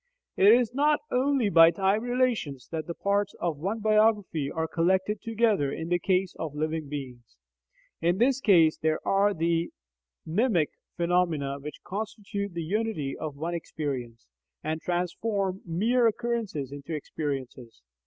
It is not only by time relations that the parts of one biography are collected together in the case of living beings. In this case there are the mnemic phenomena which constitute the unity of one "experience," and transform mere occurrences into "experiences."